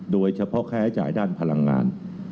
โดยเฉพาะค่าใช้จ่ายด้านพลังงาน